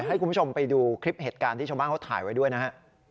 ให้คุณผู้ชมไปดูคลิปเหตุการณ์ที่ชาวบ้านเขาถ่ายไว้ด้วยนะฮะ